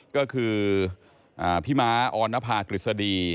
ก็คือพี่ม้าออนภากฤษฎี